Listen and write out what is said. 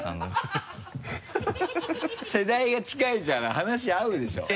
世代が近いから話合うでしょ？